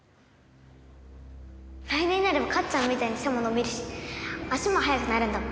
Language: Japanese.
来年になればかっちゃんみたいに背も伸びるし足も速くなるんだもん。